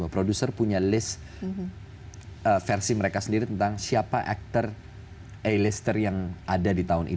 produser punya list versi mereka sendiri tentang siapa aktor a lister yang ada di dalam film